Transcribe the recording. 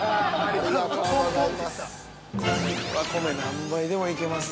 ◆ありがとうございます。